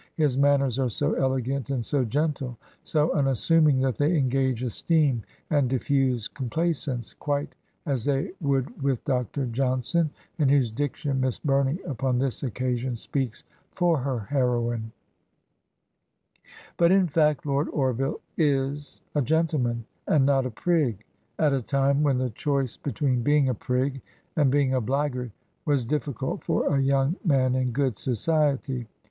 His manners are so elegant and so gentle, so unassuming that they engage esteem and diffuse complacence," quite as they would with Dr. Johnson, in whose diction Miss Bumey upon this occasion speaks for her heroine. But in fact Lord Orville is a gentleman and not a prig, at a time when the choice between being a prig and being a blackguard was difficult for a young 19 Digitized by VjOOQIC HEROINES OF FICTION man in good society.